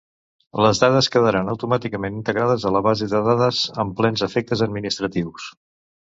Les dades quedaran automàticament integrades a la base de dades amb plens efectes administratius.